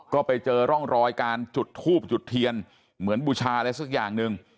ก็ไปเจอร่องรอยการจุดทูบจุดเทียนเหมือนบูชาอะไรสักอย่างหนึ่ง